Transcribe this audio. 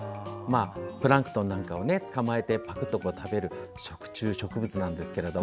プランクトンなんかをつかまえてパクッと食べる食虫植物なんですけども。